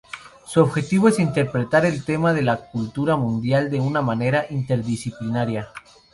Su objetivo es interpretar el tema de la cultura mundial de una manera interdisciplinaria.